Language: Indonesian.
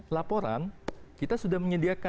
laporan kita sudah menyediakan